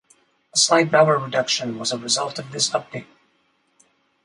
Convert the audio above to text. A slight power reduction was a result of this update.